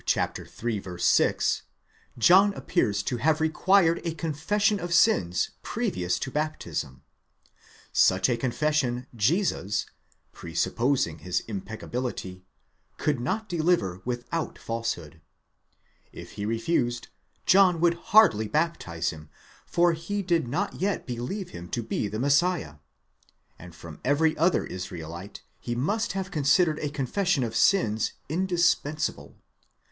ili. 6, John appears to have required a confession of sins previous to baptism ; such a confession Jesus, presupposing his impeccability, could not deliver without falsehood ; if he refused, John would hardly baptize him, for he did not yet believe him to be the Messiah, and from every other Israelite he must have con sidered a confession of sins indispensable.